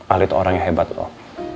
ali tuh orang yang hebat loh